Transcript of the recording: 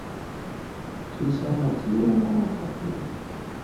Thusa motho yo o mo mathateng.